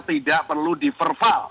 tidak perlu diperval